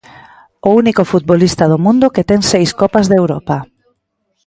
O único futbolista do mundo que ten seis copas de Europa.